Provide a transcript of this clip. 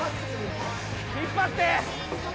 引っ張って。